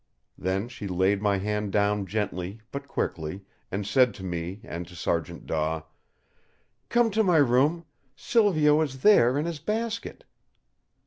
Then she laid my hand down gently but quickly, and said to me and to Sergeant Daw: "Come to my room! Silvio is there in his basket."